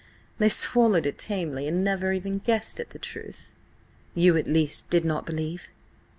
They swallowed it tamely and never even guessed at the truth." "You, at least, did not believe?"